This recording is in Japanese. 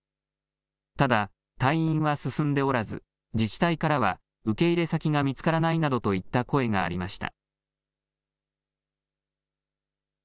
ただ、退院は進んでおらず自治体からは受け入れ先が見つからないなどといった声がありました。